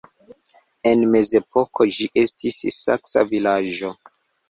En mezepoko ĝi estis saksa vilaĝo.